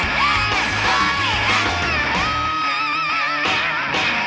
มาเลยมาเลย